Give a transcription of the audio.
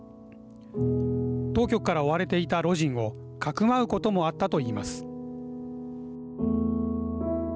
当局から追われていた魯迅をかくまうこともあったと言います。